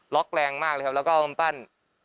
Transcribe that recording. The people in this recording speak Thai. แรงมากเลยครับแล้วก็เอากำปั้น